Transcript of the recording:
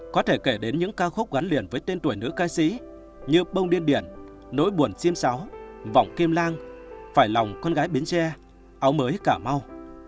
có thể kể đến những ca khúc gắn liền với tên tuổi nữ ca sĩ như bông điên điển nỗi buồn chim sáu vọng kim lan phải lòng con gái biến tre áo mới cả mau